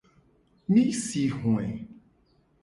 Mi si hoe.